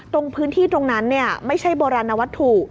ตรงพื้นที่ตรงนั้นไม่ใช่โบราณวัตถุ